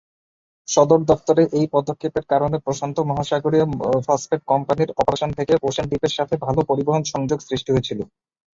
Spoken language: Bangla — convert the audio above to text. সদর দফতরে এই পদক্ষেপ এর কারণে প্রশান্ত মহাসাগরীয় ফসফেট কোম্পানির অপারেশন থেকে ওশেন দ্বীপের সাথে ভাল পরিবহন সংযোগ সৃষ্টি হয়েছিল।